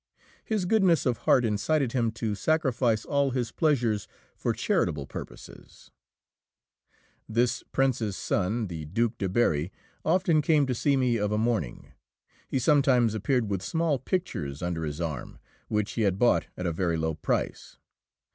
His goodness of heart incited him to sacrifice all his pleasures for charitable purposes. [Illustration: MADAME VIGÉE LEBRUN.] This Prince's son, the Duke de Berri, often came to see me of a morning. He sometimes appeared with small pictures under his arm, which he had bought at a very low price.